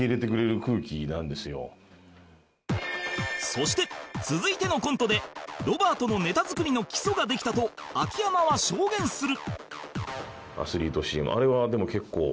そして続いてのコントでロバートのネタ作りの基礎ができたと秋山は証言する